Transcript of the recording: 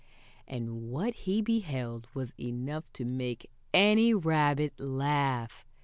And what he beheld was enough to make any rabbit laugh!